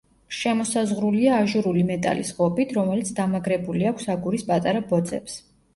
შემოსაზღვრულია აჟურული მეტალის ღობით, რომელიც დამაგრებული აქვს აგურის პატარა ბოძებს.